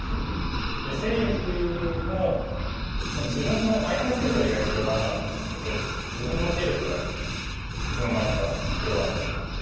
で勢力も相手の勢力は意外と広がらなかったんですけど自分の勢力がいつの間にか広がってしまって。